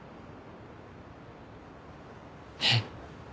えっ？